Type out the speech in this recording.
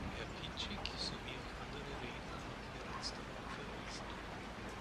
Herr Piecyk sowie auch andere Redner haben bereits darauf verwiesen.